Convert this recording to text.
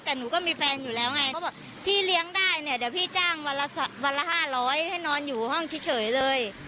แต่หนูก็มีแฟนอยู่แล้วไงเขาบอกพี่เลี้ยงได้เนี่ยเดี๋ยวพี่จ้างวันละ๕๐๐ให้นอนอยู่ห้องเฉยเลย